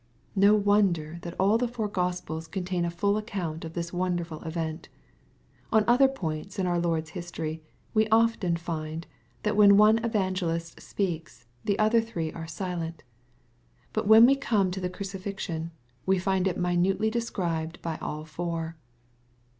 No wonder that all the four Gospels contain a full account of this wonderful event. On other points in our Lord's history, we often find, that when one evangelist speaks, the other three are silent. But when we come to the crucifixion, we find it minutely described by all four.